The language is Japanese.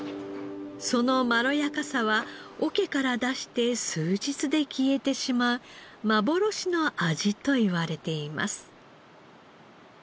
そのまろやかさは桶から出して数日で消えてしまう幻の味といわれています。